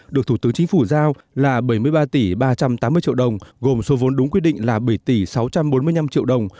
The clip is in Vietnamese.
được thủ tướng chính phủ giao là bảy mươi ba tỷ ba trăm tám mươi triệu đồng gồm số vốn đúng quy định là bảy tỷ sáu trăm bốn mươi năm triệu đồng